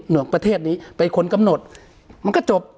หน่วยประเทศนี้ไปค้นกำหนดมันก็จบ